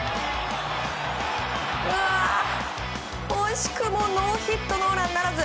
惜しくもノーヒットノーランならず。